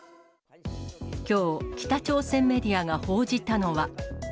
きょう、北朝鮮メディアが報じたのは。